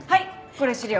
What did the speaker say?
これ資料。